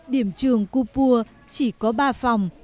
điểm trường cục pua chỉ có ba phòng